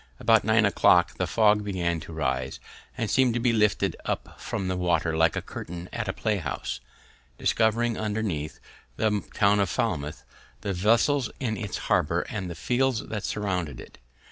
About nine o'clock the fog began to rise, and seem'd to be lifted up from the water like the curtain at a play house, discovering underneath, the town of Falmouth, the vessels in its harbor, and the fields that surrounded it.